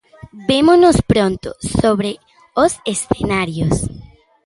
Vémonos pronto sobre os escenarios.